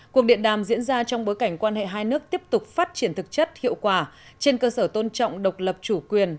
cuộc điện đàm diễn ra trong bối cảnh quan hệ hai nước tiếp tục phát triển thực chất hiệu quả trên cơ sở tôn trọng độc lập chủ quyền